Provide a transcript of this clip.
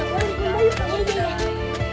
eh tak boleh